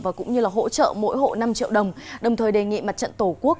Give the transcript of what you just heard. và cũng như là hỗ trợ mỗi hộ năm triệu đồng đồng thời đề nghị mặt trận tổ quốc